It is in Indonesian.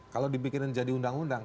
kalau dipikirin jadi undang undang